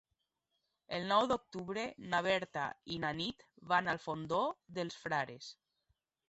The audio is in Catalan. El nou d'octubre na Berta i na Nit van al Fondó dels Frares.